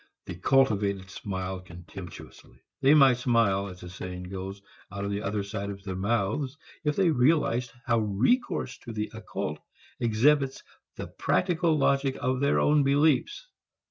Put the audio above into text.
The cultivated smile contemptuously. They might smile, as the saying goes, out of the other side of their mouths if they realized how recourse to the occult exhibits the practical logic of their own beliefs.